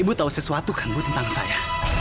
ibu tahu sesuatu kan bu tentang saya